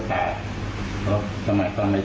เขานอนน้ำตาหลาย